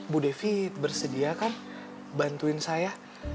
bu devi bersedia kan bantuin saya